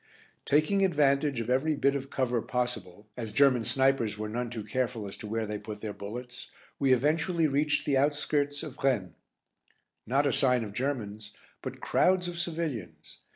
Taking advantage of every bit of cover possible, as German snipers were none too careful as to where they put their bullets, we eventually reached the outskirts of Vraignes. Not a sign of Germans, but crowds of civilians.